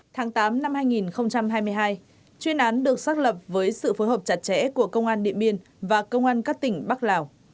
tháng tám năm hai nghìn hai mươi hai chuyên án được xác lập với sự phối hợp chặt chẽ của công an điện biên và công an các tỉnh bắc lào